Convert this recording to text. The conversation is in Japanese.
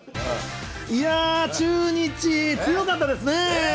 いやー、中日、強かったですね。